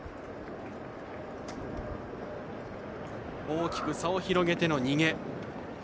大きく差を広げての逃げ。